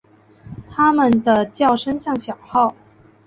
它们的叫声像小号。